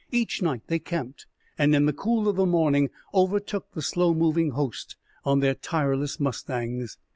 Each night they camped, and in the cool of the morning overtook the slow moving host on their tireless mustangs.